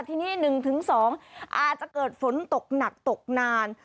ทีนี้๑๒อาจจะเกิดฝนตกหนักตกนาน